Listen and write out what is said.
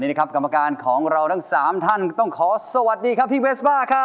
เด้อนี้นะคะกรรมการของเราทั้งสามท่านต้องขอสวัสดีค่ะพี่เวสบาร์ค่ะ